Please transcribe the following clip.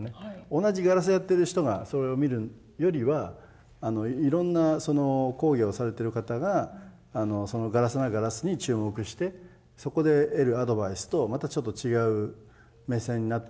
同じガラスをやってる人がそれを見るよりはいろんな工芸をされてる方がそのガラスならガラスに注目してそこで得るアドバイスとまたちょっと違う目線になってくるだろうし。